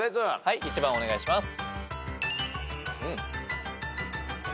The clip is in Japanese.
１番お願いします。